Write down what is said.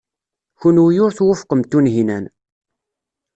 Kenwi ur twufqem Tunhinan.